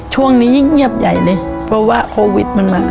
ยิ่งเงียบใหญ่เลยเพราะว่าโควิดมันมา